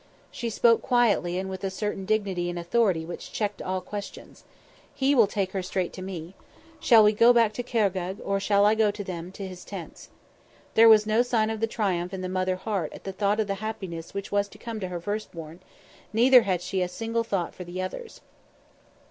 She spoke quietly and with a certain dignity and authority which checked all questions. "He will take her straight to me. Shall we go back to Khargegh, or shall I go to them, to his tents?" There was no sign of the triumph in the mother heart at the thought of the happiness which was to come to her first born; neither had she a single thought for the others.